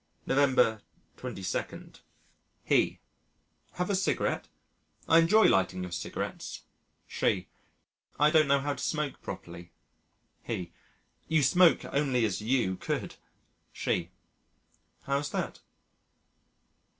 November 22. He: "Have a cigarette? I enjoy lighting your cigarettes." She: "I don't know how to smoke properly." He: "You smoke only as you could." She: "How's that?"